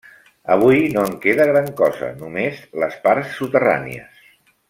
Avui no en queda gran cosa, només les parts soterrànies.